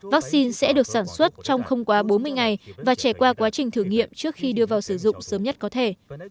vaccine sẽ được sản xuất trong không quá bốn mươi ngày và trải qua quá trình thử nghiệm trước khi đưa vào sử dụng sớm nhất có thể